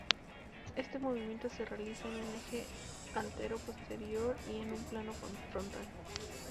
Este movimiento se realiza en un eje antero-posterior y en un plano frontal.